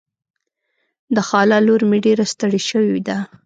د خاله لور مې ډېره ستړې شوې ده.